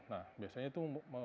nah biasanya itu